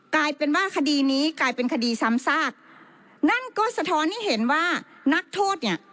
กลายเป็นว่าคดีนี้กลายเป็นคดีซ้ำซากนั่นก็สะท้อนให้เห็นว่านักโทษเนี่ย